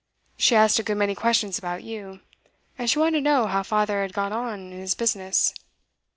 She asked a good many questions about you. And she wanted to know how father had got on in his business.